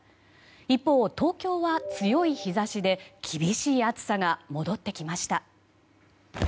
一方、東京は強い日差しで厳しい暑さが戻ってきました。